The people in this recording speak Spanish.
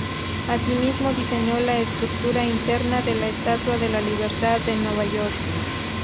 Asimismo, diseñó la estructura interna de la Estatua de la Libertad de Nueva York.